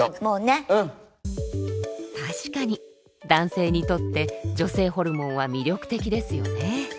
確かに男性にとって女性ホルモンは魅力的ですよね。